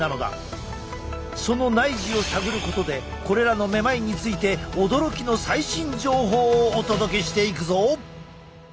この内耳を探ることでこれらのめまいについて驚きの最新情報をお届けしていくぞ！